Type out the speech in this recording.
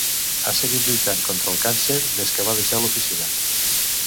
Ha seguit lluitant contra el càncer des que va deixar l'oficina.